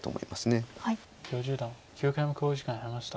許十段９回目の考慮時間に入りました。